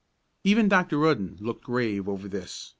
Even Dr. Rudden looked grave over this.